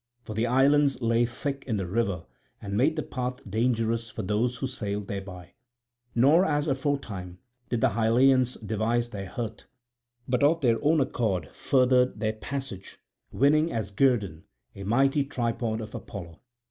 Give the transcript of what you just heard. For the islands lay thick in the river and made the path dangerous for those who sailed thereby. Nor, as aforetime, did the Hylleans devise their hurt, but of their own accord furthered their passage, winning as guerdon a mighty tripod of Apollo.